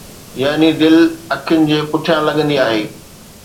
يعني دل، اکين جي پٺيان لڳندي آهي